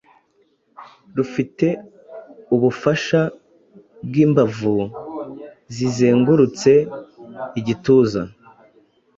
rufite ubufasha bw’imbavu zizengurutse igituza.